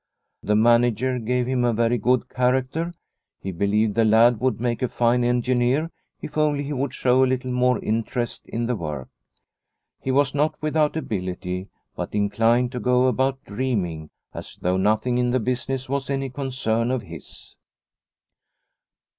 The manager gave him a very good character. He believed the lad would make a fine engineer if only he would show a little more interest in the work. He was not without ability, but . The Smith from Henriksberg 165 inclined to go about dreaming, as though nothing in the business was any concern of his.